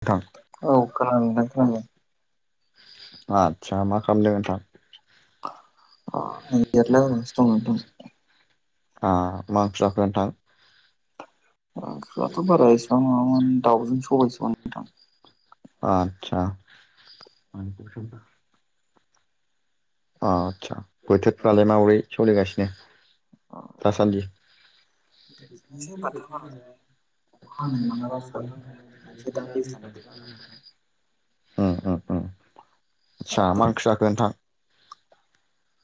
नोंथां औ खोनादों नोंथां खोनादों। आतसा मा खालायदो नोंथां? आं ओरैनोसो दं नोंथां ओ मा ओंख्रि जाखो नोंथां? ओंख्रियाथ' बारा एसेबां नङामोन दाउजों सबायजोंमोन नोंथां। [inaudible] अह आदसा बोथोरफ्रालाय माबोरै सोलिगासिनो दासान्दि? [inaudible] [inaudible] उम बिदिनोसै उम उम बाथ्राफोरा मा आतसा होनो मालाबा सान्दुं दुङो बिदिनोसै दा दैज्लां बोथोराव नोंथां मा ओंख्रि जाखो नोंथां?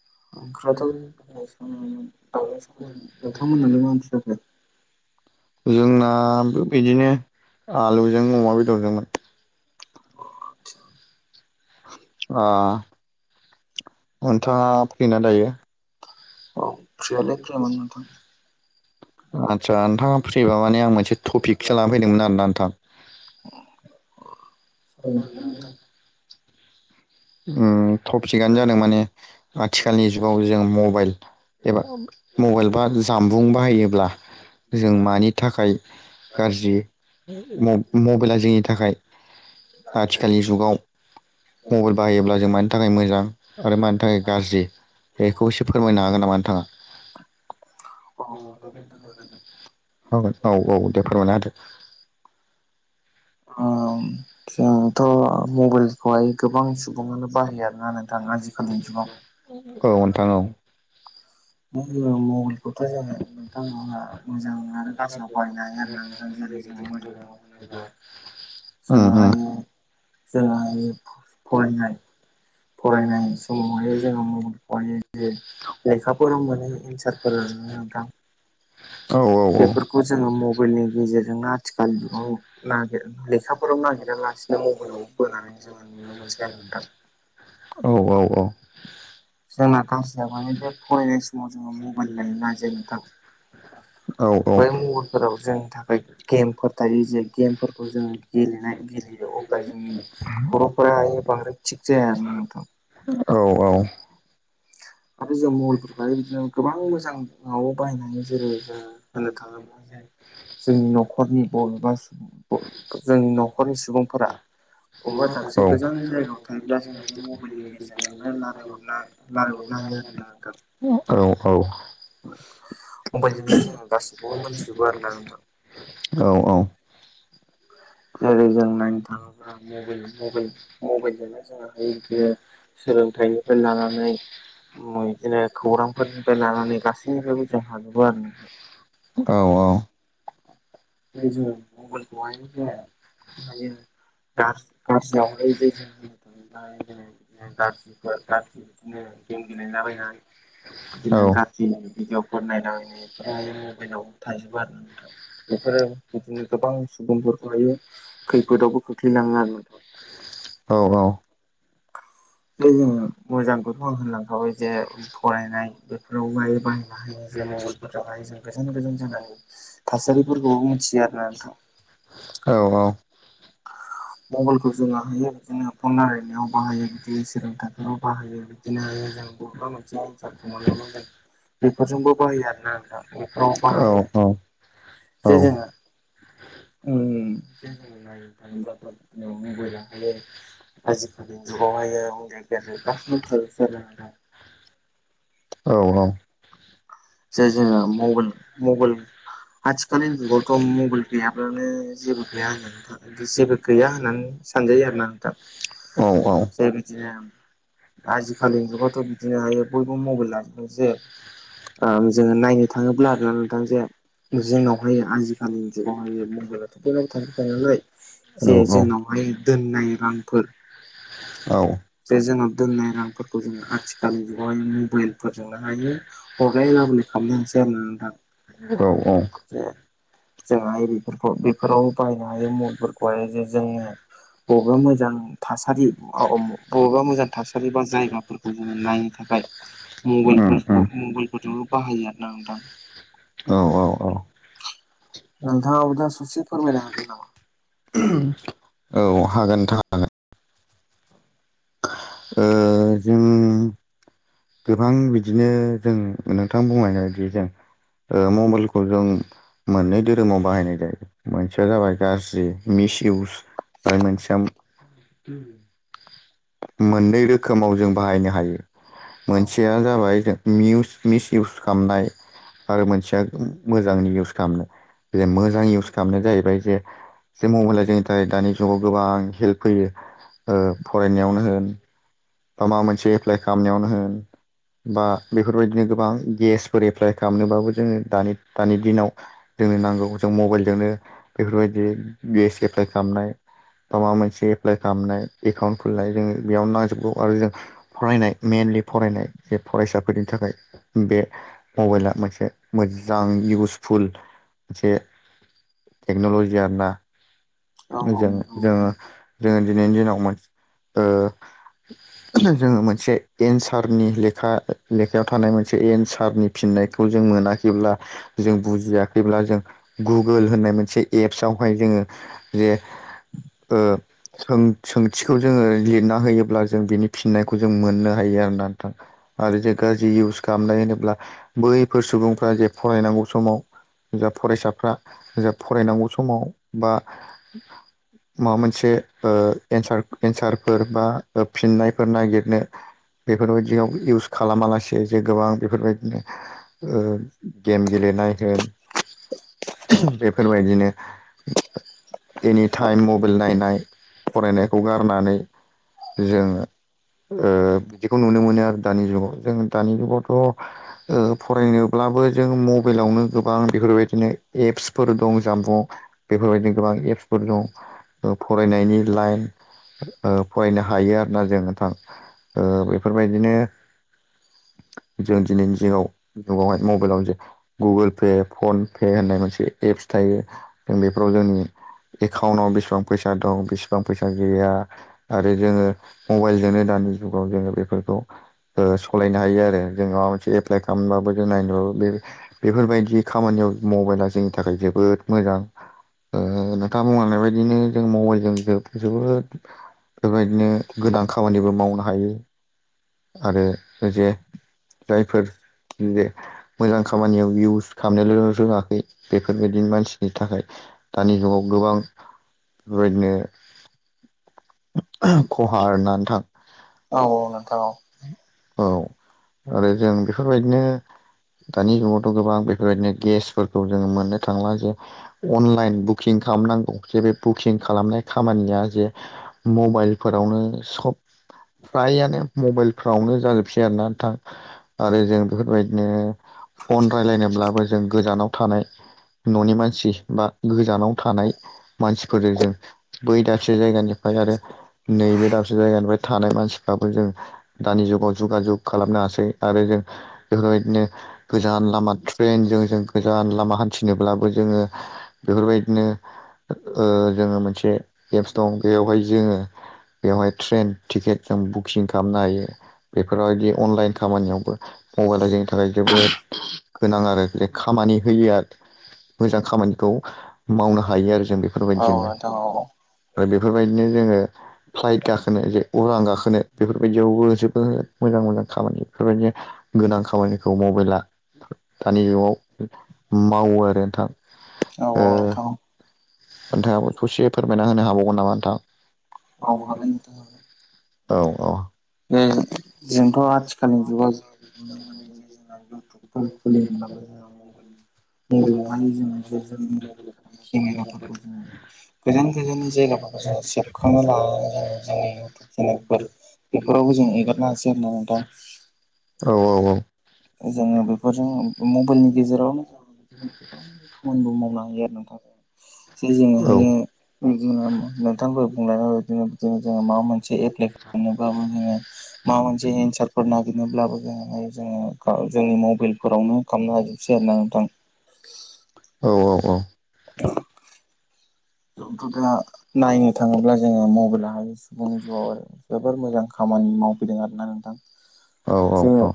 ओंख्रियाथ' जोंनाबो बिदिनो आलुजों अमा बेदरजोंमोन। जाखो ओ नोंथाङा फ्रिना दायो? औ फ्रियालाय फ्रियानोमोन नोंथां। आतसा नोंथाङा फ्रिबा माने आं मोनसे टपिकसो लानानै फैदोंमोन आरोना नोंथां। [inaudible] उम टपिकआनो जादों माने आथिखालनि जुगाव जों मबाइल एबा मबाइल बा जामबुं बाहायोब्ला जों मानि थाखाय गाज्रि मबाइला जोंनि थाखाय आथिखालनि जुगाव मबाइल बाहाय योब्ला जों मानि थाखाय मोजां आरो मानि थाखाय गाज्रि बेखौ एसे फोरमायनो हागोन नामा नोंथाङा? अ औ दे औ औ दे फोरमायना होदो अ जोंथ' मबाइलजों खौहाय गोबां सुबुङानो बाहायो आरोना नोंथां आजिखालिनि जुगाव औ नोंथां औ मानो होनबा मबाइलखौथ' जोङो नोंथांमोनहा मोजां आरो गाज्रियाव बाहायनो हायो आरो दा जेरै जों मोजां मावबोनोबा उम जों उम हायो जों फरायनाय फरायनाय समावहाय जोङो मबाइलखौहाय जे एन्सारफोरा नोंथां औ औ बेफोरखौ जोङो मबाइलनि गेजेरजोंनो आथिखाल जुगाव नागिरना लेखा फलाव नागिरालासिनो मबाइलाव बोनानै जोङो नुनो मोनसै आरो नोंथां औ औ औ जोंना गाज्रिया माने जे फरायनाय समाव जोङो मबाइल न जेनथ औ बै महरफोराव जोंनि थाखाय गेमफोर थायो जे गेमफोरखौ औ जोङो गेलेनाय गेलेयो अब्ला जोंनि खरफोरा बाहायो बांद्राय थिग जाया आरो नोंथां औ आरो जों मबाइलखौहाय बिदिनो गोबां मोजाङाव बाहायनो जेरै जो होननो थाङोब्ला जोंनि न'खरनि बबेबा सुबुं जोंनि न'खरनि सुबुंफोरा बबहबा दाबसे गोजान जायगायाव थायोब्ला जोङो बे मबाइलनि गेजेरावनो रायलायहरनो हायो हागोन आरो नोंथां मबाइलजोंनो जोङो गासिखौबो मोनथिजोबो आरोना नोंथां औ औ [inaudible] जेरै जों नायनो थाङोब्ला मबाइलजोंनो जों हायो बिदिनो सोलोंथाइनिफ्राय लानानै बिदिनो खौरांफोरनिफ्राय लानानै गसिनिबो जों बे जेरै मबाइलखौहाय माने दा गाज्रिखवहाय [unintelligible] बिदिनो गाज्रि भिडिअ'फोर नायलाबायनाय बेफोर मबाइलाव थाजोबो आरो ना नोंथां बेफोरो बिदिनो गोबां सुबुंफोरखौहायो खैफोदावबो खोख्लैलाङो आरो नोंथां औ औ जोङो मोजांखौथ' आं होनलांखाबाय जे फरायनाय बेफोराव बायो बाहायनो हायो। जे मबाइलफोर थाखाय जों गोजान गोजान जायगनि थासारिफोरखौबो मिथियो आरोना नोंथां औ औ मबाइलखौ जों बाहायो बिदिनो फन रायलायनायाव बाहायो बिदि सोलोंथाइफोराव बाहायो बिदिनोयो जों बबेबा मोनसे एन्सार दङ नामा जों बेफोरजोंबो बाहायो आरोना आं दा बेफोराव बाहायो बाहायनानै औ जे जोङो उम उम नो हायो आजिखालि जुग [unintelligible] जे जोङो मबेल मबेल आथिखालनि जुगावथ' मबाइल गैयाब्लानो जेबो गैया होननानै था जेबो गैया होननानै सानजायो आरो ना आं दा जाय बिदिनो आजिखालिनि जुगाथ' बिदिनो हायो बयबो मबाइल लाजोबबो जे ओ जोङो नायनो थाङोब्ला आरोना नोंथां जे जोंनावहाय आजिखालि जुगावहायो महाइलाथ' बयनाबबो थांफेरखायो नालाय जे जोंनावहाय दोननाय रांफोर औ जे जोंनाव दोननाय रांफोरखौ जोङो आथिखालनि जुगावहाय मबाइल फोरजोंनो हायो हरलाय लाबोनाय खालामनो होनसै आरो नोंथां औ औ जोंहा बेफोरखौ बेफोराव बाहायनो हायो मुलफोरखौहाय जे जोङो बबेबा मोजां थासारि बबेबा मोजां थासारि बा जायगाफोरखौ जोङो नायनो थाखाय [inaudible] मबाइलफोरखौ मबाइलफोरजोंबो बाहायो आरो ना नोंथां औ नोंथांआ दा ससे फोरमायनो हागोन नामा उहम औ हागोनथां ओ जों गोबां बिदिनो जों नोंथां बुंनायबायदि जों ओ मबाइलखौ जों मोननै धोरोमाव बाहायनाय जायो मोनसेया जाबाय गाज्रि मिसिइउस आरो मोनसेया मोननै रोखोमाव जों बाहायनो हायो मोनसेया जाबाय जों मिउस मिसिइउस खालामनाय आरो मोनसेया मोजांनि इउस खालामनो मोजां इउस खालामनाया जाहैबाय जे जों मबाइल लायै लायैनिफ्राय दानि जुगाव गोबां हेल्प होयो ओ फरायनायावनो उम माबा मोनसे एप्लाइ खालामनायावनो होन बा बेफोरबायदिनो गोब गोबां गेसफोर एप्लाइ खालामनोबाबो जोङो दानि दानि दिनाव जोंनो नांगौ जों मबाइलजोंनो बेफोरबायदि गेस एप्लाइ खालामनाय माबा मोनसे एप्लाइ खालामनाय एकाउन्ट खुलिनाय जोङो बेयावनो नांजोबगौ आरो फरायनाय मेनलि फरायनाय जे फरायसाफोरनि थाखाय बे मबाइला मोनसे मोजां इउसफुल मोनसे टेक्नलजि आरो ना जों जोङो जोङो दिनैनि दिनाव मोनसे ओ जोङो मोनसे एनसारनि लेखा लेखायाव थानाय मोनसे एनसारनि फिननायखौ जों मोनाखैब्ला जों बुजियाखैब्ला जों गुगोल होननाय मोनसे एपसवहाय जोङो जे ओ सोंथिखौ जोङो लिरना होयोब्ला जों बिनि फिननायखौजों मोननो हायो आरो ना नोंथां आरो जे गारजि इउस खालामनाय होनोबा मो बैफोर सुबुंफ्रा जे फरायनांगौ समाव जा फरायसाफ्रा जा फरायनांगौ समाव बा माबा मोनसे ओ एन्सार एन्सारफोर बा फिननायफोर नागिरनो बेफोरबायदियाव इउस खालामालासे जे गोबां बेफोरबायदिनो ओ गेम गेले नाय होन बेफोरबायदिनो एनिटाइम मबाइल नायनाय फरायनायखौ गारनानै जोङो ओ बिदिखौ नुनो मोनो आरो दानि जुगाव जों दानि जुगावथ' ओ फरायनोब्ला दाबो जों मबाइलावनो गोबां बेफोरबायदिनो एप्सफोर दं जाम्बुं बेफोरबायदिनो गोबां एपस दं फरायनायनि लाइन ओ फरा ना जों थां ओ बेफोरबायदिनो जों दिनैनि दिनाव नावहाय मबाइलावनो जे गुगोल पे फन पे होननाय मोनसे एप्स थायो जों बेफोराव जोंनि एकाउन्टाव बेसेबां फैसा दं बेसेबां फैसा गैया ओ जोङो मबाइलजोंनो दानि जुगाव जोङो बेफोरखौ ओ सलायनो हायो आरो जों माबा मोनसे एप्लाइ खालामबाबो जों नायनो बे बेफोरबायदि खामानियाव मबाइला जोंनि थाखाय जोबोद मोजां। ओ नोंथां बुंनायबायायदिनो जों मबाइलजों जो जोबोद बेफोरबायदिनो गोनां खामानिबो मावनो हायो। आरो जे जायफोर जे मोजां खामानियाव इउस खालामनोल' रोङाखै बेफोरबायदि मानसिनि थाखाय दानि गाव गोबां बेबायदिनो खहा आरो ना नोंथां। औ औ। औ आरो जों बेफोरबायदिनो दानि जुगावथ' गोबां बे बेबायदिनो गेसफोरखौ जों मोननो थांला जे अनलाइन बुकिं खालामनांगौ जे बे बुकिं खालामनाय खामानिया जे मबाइलफोरावनो सब फ्रायानो मबाइलफ्रावनो जाजोबसै आरोना नोंथां आरो जों बेफोरबायदि बिदिनो फन राय्लायनोब्लाबो जों गोजानाव थानाय न'नि मानसि बा गोजानाव थानाय मानसिफोरजों जों बै दाबसे जायगानिफ्राय आरो नैबे दाबसे जायगानिफ्राय थानाय मानसिफ्राबो जों दानि जुगाव जुगा जुग खालामनो हासै आरो बेफोरबायदिनो गोजान लामा ट्रेनजों जों‌ गोजान लामा हान्थिनोब्लाबो जोङो बेफोरबायदिनो ओ जोङो मोनसे एप्स दं। बेवहाय जोङो बेवहाय ट्रेन टिकेट जों बुकिं खालामनो हायो। बेफोरबायदि अनलाइन खामानियावबो मबाइला जोंनि थाखाय जोबोद गोनां आरो खामानि मानि होयो आरो। मोजां खामानिखौ मावनो हायो आरो जों औ बेफोरबायदिजोंनो नोंथां औ बे बेफोरबायदिनो जोङो फ्लाइट गाखोनो अरां गाखोनो बेफोरबायदियावबो जोबोद मोजां मोजां खामानि बेफोरबायदिनो गोनां खा खामानिखौ मबाइला दानि जुगाव मावो आरो नोंथां। औ औ नोंथां ओ। नोंथाङाबो ससे फोरमायना होनो हाबावगोन नामा नोंथां? औ हागोन नोंथां औ। औ बे जोंथ' आथिखालनि जुगाव जे नुनो मोनो ज जोंना इउटुब [unintelligible] [unintelligible] केमेराफोरखौ जोङो गोजान गोजान जायगाफोरखौ जों सेभ खांनो लानानै जोङो जोंनि इउटुब चेनेलफोर बेफोरावबो जों एगारनो हासै आरोना नोंथां? औ औ औ। जोङो बेफोरजों मबाइलनि गेजेरावनो जों बिनो खामानिबो मावनो हायो आरो नोंथां। जे जोंहायो बिदिनो नोंथाङा दहाय बुंलांनायबादिनो जोङो जा माबा मोनसे एप्लाइ खालामनोब्लाबो जोङो माबा मोनसे एन्सारफोर नागिरनोब्लाबो जोङो जोङो जोंनि मबाइलफोरावनो खालामनो हाजोबसै आरोना नोंथां। औ औ औ। जोथ' दा नायनो थाङोब्ला जोङो मबाइलयावहायो जोंनि जिउआव आरो जोबोर मोजां खामानि मावफैदों आरोना नोंथां। औ औ जोङो औ।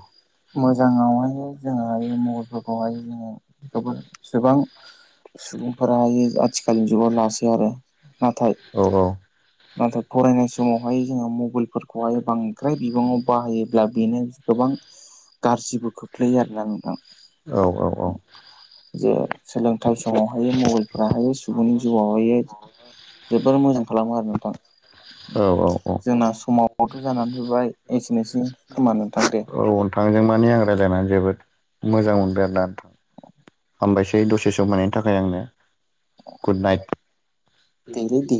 मोजाङावहाय जोङहायो मबाइलफोरखौहाय जोङो बेखौ एसेबां सुबुंफोर आथिखालनि जुगाव लासै आरो नाथाय नाथाय फरायनाय समावहाय जोङो मबाइलफोरखौहाय बांद्राय बिबाङाव बाहायोब्ला बेनो गोबां गाज्रिबो खोख्लैयो आरोना नोंथां औ औ औ जे सोलोंथाइ समावहायो मबाइल फोराहायो लांदां बे जोबोर मोजां खालामो आरो नोंथां औ औ जोंना समाबोथ जानानै फैबाय एसेनो सेै खोमा नोथां दे बिफांजों माने आं रायज्लायनानै जोबोद मोजां मोनदों आरो ना हामबायसै दसेसो मोननायनि थाखाय आंनो गुद नाइट देलै दे